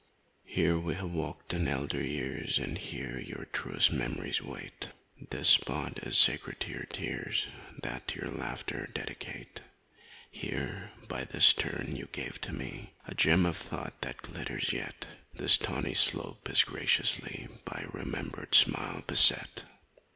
Here we have walked in elder years. And here your truest memories wait, This spot is sacred to your tears, That to your laughter dedicate; Here, by this turn, you gave to me A gem of thought that glitters yet. This tawny slope is graciously By a remembered smile beset.